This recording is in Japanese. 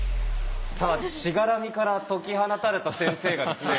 さあしがらみから解き放たれた先生がですね